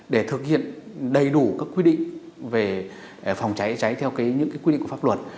để thực hiện đầy đủ các quy định về phòng cháy cháy theo những quy định của pháp luật